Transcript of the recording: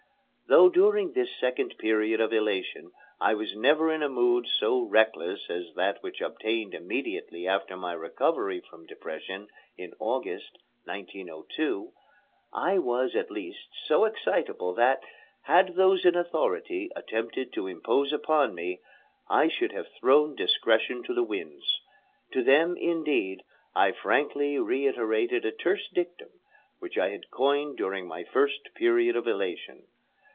Though during this second period of elation I was never in a mood so reckless as that which obtained immediately after my recovery from depression in August, 1902, I was at least so excitable that, had those in authority attempted to impose upon me, I should have thrown discretion to the winds. To them, indeed, I frankly reiterated a terse dictum which I had coined during my first period of elation.